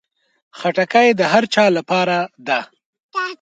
خټکی د هر چا لپاره ده.